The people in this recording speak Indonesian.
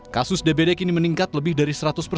kasus dbd kini meningkat lebih dari seratus persen